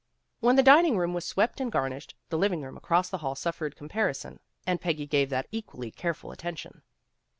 When the dining room was swept and garnished, the living room across the hall suffered com parison, and Peggy gave that equally care ful attention.